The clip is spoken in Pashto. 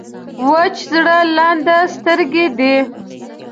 وچ زړه لانده سترګې دي.